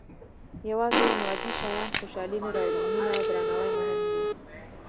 • یوازې مادي شیان خوشالي نه راوړي، مینه او درناوی مهم دي.